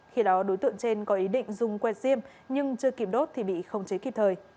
khi đó đối tượng trên có ý định dùng que diêm nhưng chưa kịp đốt thì bị khống chế kịp thời